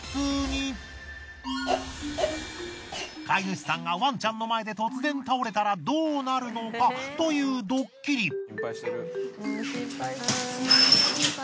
飼い主さんがワンちゃんの前で突然倒れたらどうなるのか？というドッキリ。